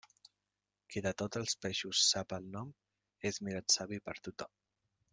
Qui de tots els peixos sap el nom, és mirat savi per tothom.